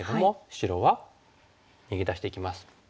白は逃げ出していきます。